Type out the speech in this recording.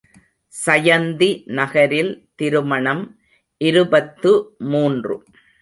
சயந்தி நகரில் திருமணம் இருபத்து மூன்று.